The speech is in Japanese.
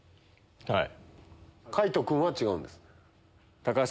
はい。